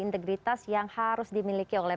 integritas yang harus dimiliki oleh